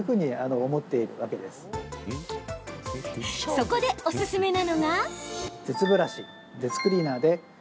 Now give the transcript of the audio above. そこで、おすすめなのが。